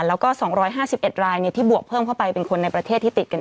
แล้วก็๒๕๑รายที่บวกเพิ่มเข้าไปเป็นคนในประเทศที่ติดกัน